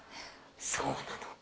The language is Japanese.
そうなのか。